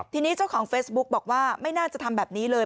ทีนี้เจ้าของเฟซบุ๊กบอกว่าไม่น่าจะทำแบบนี้เลย